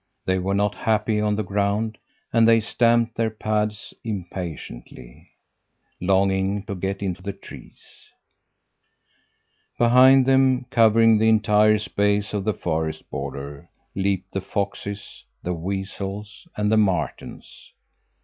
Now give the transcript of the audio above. They were not happy on the ground, and they stamped their pads impatiently, longing to get into the trees. Behind them, covering the entire space to the forest border, leaped the foxes, the weasels, and the martens.